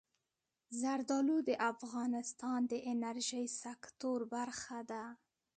زردالو د افغانستان د انرژۍ سکتور برخه ده.